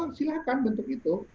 maka silakan bentuk itu